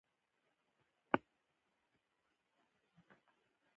هر څه به د فیوډالانو په ځمکو کې تولیدیدل.